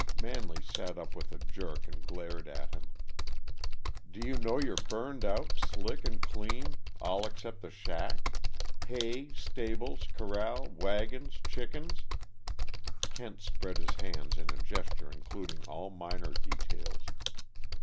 Manley sat up with a jerk and glared at him. "Do you know you're burned out, slick and clean all except the shack? Hay, stables, corral, wagons, chickens " Kent spread his hands in a gesture including all minor details.